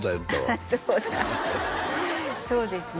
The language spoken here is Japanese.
ああそうだそうですね